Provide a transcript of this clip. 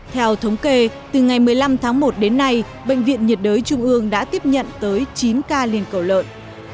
theo thống kê từ ngày một mươi năm tháng một đến nay bệnh viện nhiệt đới trung ương đã tiếp nhận tới chín ca liên cầu lợn